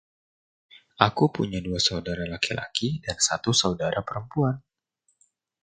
Aku punya dua saudara laki-laki dan satu saudara perempuan.